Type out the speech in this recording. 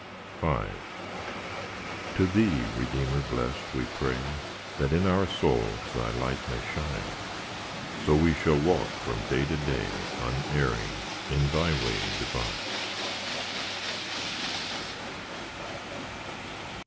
V To Thee, Redeemer blest, we pray, That in our souls Thy light may shine; So we shall walk from day to day, Unerring in Thy way Divine.